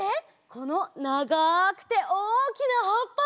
このながくておおきなはっぱ！